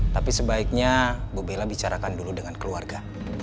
tapi sebaiknya bu bella bicarakan dulu dengan keluarga